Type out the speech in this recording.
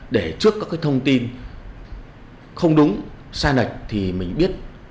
để trước các cái thông tin không đúng sai lệch thì mình biết